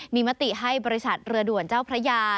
มีมติให้บริษัทเรือด่วนเจ้าพระยา